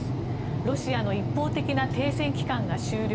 ロシアの一方的な停戦期間が終了